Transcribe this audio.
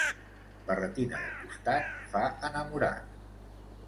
Barretina de costat, fa enamorat.